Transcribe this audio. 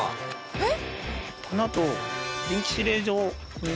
えっ！？